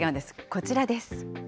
こちらです。